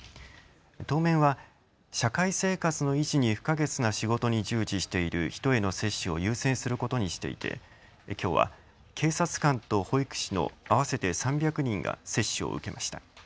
当面は社会生活の維持に不可欠な仕事に従事している人への接種を優先することにしていてきょうは警察官と保育士の合わせて３００人が接種を受けました。